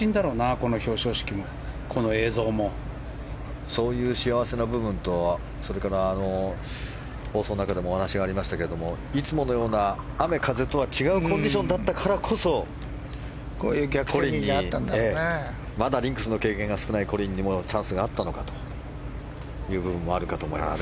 この表彰式もそういう幸せな部分とそれから、放送の中でもお話がありましたけれどもいつものような雨、風とは違うコンディションだったからこそまだリンクスの経験が少ないコリンにチャンスがあったのかという部分もあるかと思います。